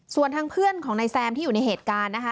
ส่วนทางเพื่อนของนายแซมที่อยู่ในเหตุการณ์นะคะ